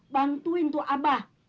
bantuin tuh abah